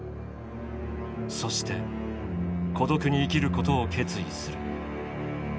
そして孤独に生きることを決意する。